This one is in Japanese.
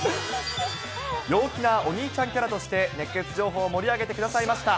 陽気なお兄ちゃんキャラとして熱ケツ情報を盛り上げてくださいました。